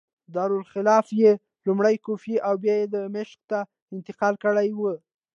دارالخلافه یې لومړی کوفې او بیا دمشق ته انتقال کړې وه.